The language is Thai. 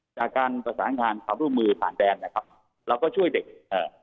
จากการประสานการณ์ขับร่วมมือผ่านแดงนะครับแล้วก็ช่วยเด็กเอ่อ